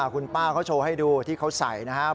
คุณป้าเขาโชว์ให้ดูที่เขาใส่นะครับ